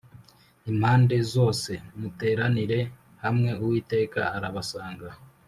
impande zose muteranire hamwe Uwiteka arabasanga